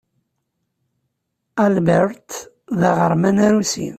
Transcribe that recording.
Albert d aɣerman arusi.